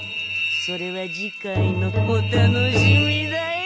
それは次回のお楽しみだよ。